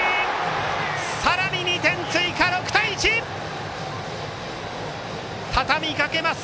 さらに２点追加、６対１！たたみかけます